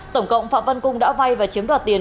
tổng cộng phạm văn cung đã vay và chiếm đoạt tiền